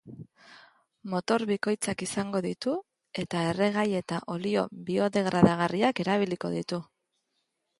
Motor bikoitzak izango ditu, eta erregai eta olio biodegradagarriak erabiliko ditu.